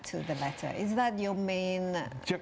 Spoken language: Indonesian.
apakah itu pertanyaan utama anda